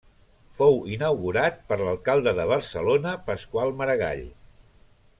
Fou inaugurat per l'alcalde de Barcelona Pasqual Maragall.